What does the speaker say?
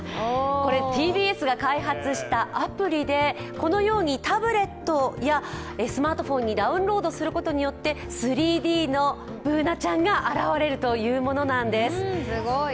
これ、ＴＢＳが開発したアプリで、このようにタブレットやスマートフォンにダウンロードすることによって３ＤのＢｏｏｎａちゃんが現れるというものなんです。